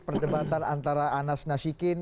perdebatan antara anas nasikin